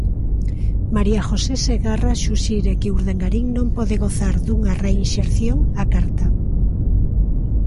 María José Segarra suxire que Urdangarín non pode gozar dunha reinserción á carta.